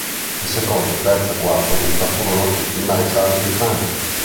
Il secondo, terzo e quarto duca furono tutti marescialli di Francia.